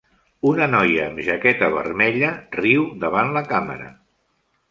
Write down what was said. Una noia amb jaqueta vermella riu davant la càmera.